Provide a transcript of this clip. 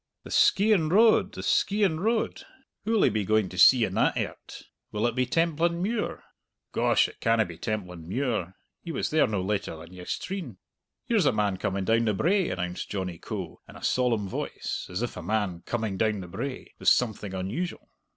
"The Skeighan Road! the Skeighan Road! Who'll he be going to see in that airt? Will it be Templandmuir?" "Gosh, it canna be Templandmuir; he was there no later than yestreen!" "Here's a man coming down the brae!" announced Johnny Coe, in a solemn voice, as if a man "coming down the brae" was something unusual.